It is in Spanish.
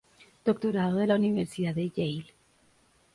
Doctorado de la Universidad de Yale.